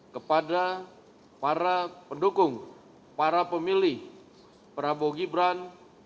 kepada para pendukung para pemilih prabowo gibran